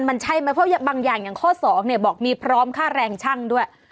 มันใช่ไหมเพราะบางอย่างอย่างข้อสองเนี่ยบอกมีพร้อมค่าแรงช่างด้วย